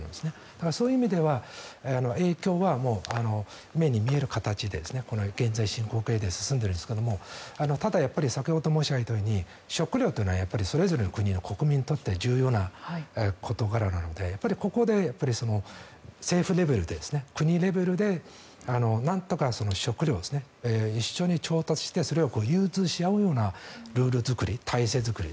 だから、そういう意味では影響は目に見える形で現在進行形で進んでいるんですがただやっぱり先ほど申し上げたように食料というのはそれぞれの国の国民にとっては重要な事柄なのでここで政府レベルで国レベルでなんとか食料を一緒に調達してそれを融通し合うようなルール作り、体制作り